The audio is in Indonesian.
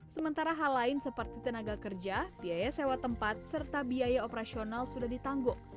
sementara hal lain seperti tenaga kerja biaya sewa tempat serta biaya operasional sudah ditanggung